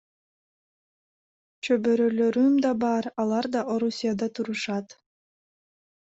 Чөбөрөлөрүм да бар, алар да Орусияда турушат.